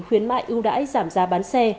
khuyến mại ưu đãi giảm giá bán xe